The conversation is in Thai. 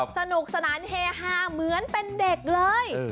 สนุกสนานเฮฮาเหมือนเป็นเด็กเลย